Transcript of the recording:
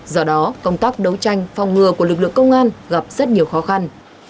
do đó công tác đấu tranh phòng ngừa của lực lượng công an gặp rất nhiều khó khăn